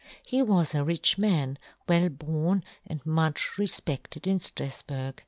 He w^as a rich man, ' w^ell born, and much refpedled in ' Strafburg.